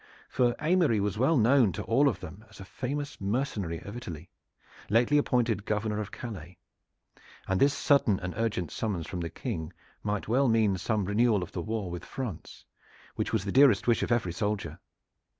For Aymery was known to all of them as a famous mercenary of Italy, lately appointed Governor of Calais, and this sudden and urgent summons from the King might well mean some renewal of the war with France, which was the dearest wish of every soldier.